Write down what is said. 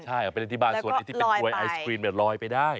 ใช่เอาไปเล่นที่บ้านส่วนไอ้ที่เป็นกลวยไอศครีมลอยไปได้